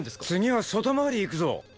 次は外回り行くぞ！